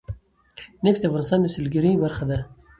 نفت د افغانستان د سیلګرۍ برخه ده.